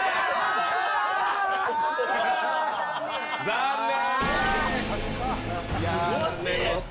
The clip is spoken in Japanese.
残念！